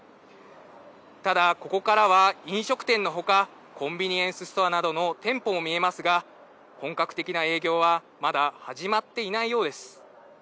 ただ、ここからは飲食店のほかコンビニエンスストアなどの店舗も見えますが本格的な営業はまだ始まっていないようです。